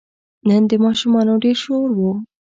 نن د ماشومانو ډېر شور و.